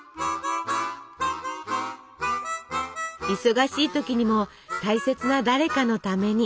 忙しい時にも大切な誰かのために。